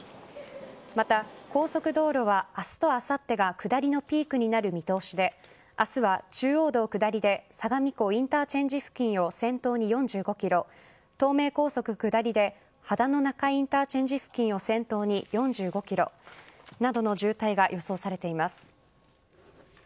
また、高速道路は明日とあさってが下りのピークになる見通しで明日は中央道下りで相模湖インターチェンジ付近を先頭に４５ｋｍ東名高速下りで秦野中井インターチェンジ付近を先頭に４５ｋｍなどの渋滞が予想されています。